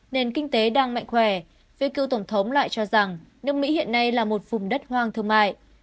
nền kinh tế đang mạnh khỏe phía cựu tổng thống lại cho rằng nước mỹ hiện nay là một vùng đất hoang thương mại